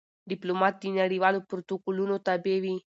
ډيپلومات د نړېوالو پروتوکولونو تابع وي.